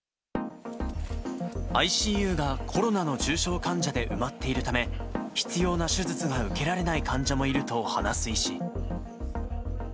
ＩＣＵがコロナの重症患者で埋まっているため、必要な手術が受けられない患者もいると話す医師。